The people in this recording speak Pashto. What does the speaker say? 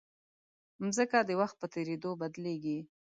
مځکه د وخت په تېرېدو بدلېږي.